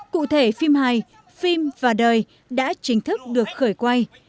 cụ thể phim hai phim và đời đã chính thức được khởi quay